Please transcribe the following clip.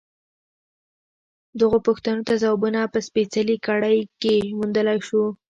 دغو پوښتنو ته ځوابونه په سپېڅلې کړۍ کې موندلای شو.